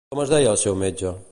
Com es deia el seu metge?